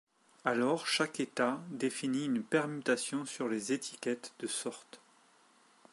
Alors chaque état définit une permutation sur les étiquettes de sortes.